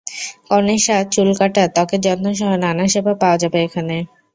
কনে সাজ, চুল কাটা, ত্বকের যত্নসহ নানা সেবা পাওয়া যাবে এখানে।